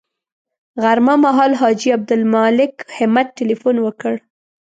غرمه مهال حاجي عبدالمالک همت تیلفون وکړ.